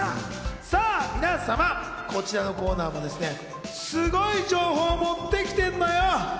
さぁ皆さま、こちらのコーナーもすごい情報を持ってきてんのよ。